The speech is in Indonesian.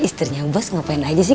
istrinya ubas ngapain aja sih